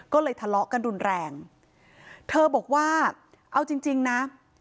ก็เลยทะเลาะกันรุนแรงเธอบอกว่าเอาจริงจริงนะ